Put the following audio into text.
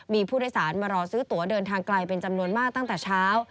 มีผู้โดยสารมารอซื้อตัวเดินทางไกลเป็นจำนวนมากตั้งแต่เช้า